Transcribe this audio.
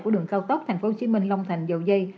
của đường cao tốc tp hcm long thành dầu dây